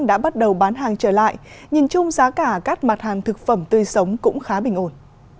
đã bắt đầu bán hàng trở lại nhìn chung giá cả các mặt hàng thực phẩm tươi sống cũng khá bình ổn